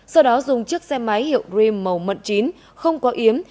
sau đó dùng chiếc xe máy hiệu dream màu mận chín không có yếm